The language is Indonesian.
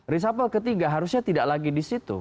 reshuffle ketiga harusnya tidak lagi di situ